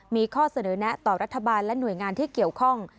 มีข้อเสนอแนะต่อรัฐบาลและหน่วยงานที่เกี่ยวข้อง